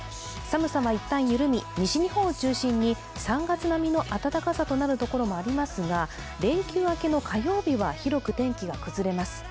寒さは一旦緩み、西日本を中心に３月並みの暖かさとなるところもありますが、連休明けの火曜日は広く天気が崩れます。